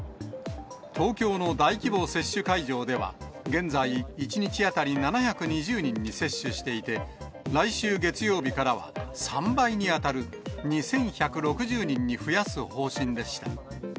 東京の大規模接種会場では、現在、１日当たり７２０人に接種していて、来週月曜日からは、３倍に当たる２１６０人に増やす方針でした。